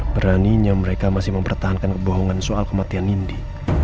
beraninya mereka masih mempertahankan kebohongan soal kematian nindi